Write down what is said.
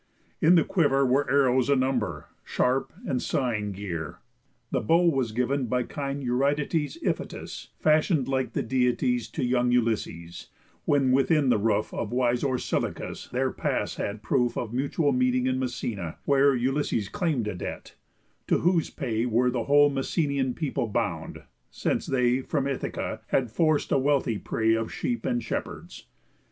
In the quiver were Arrows a number, sharp and sighing gear. The bow was giv'n by kind Eurytides Iphitus, fashion'd like the Deities, To young Ulysses, when within the roof Of wise Orsilochus their pass had proof Of mutual meeting in Messena; where Ulysses claim'd a debt, to whose pay were The whole Messenian people bound, since they From Ithaca had forc'd a wealthy prey Of sheep and shepherds.